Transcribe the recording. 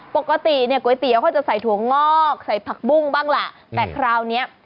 ปกติเนี่ยก๋วยเตี๋ยวเขาจะใส่ถั่วงอกใส่ผักบุ้งบ้างล่ะแต่คราวเนี้ย